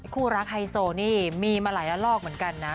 คู่รักไฮโซนี่มีมาหลายละลอกเหมือนกันนะ